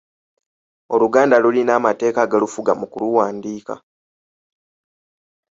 Oluganda olina amateeka agalufuga mu kuluwandiika.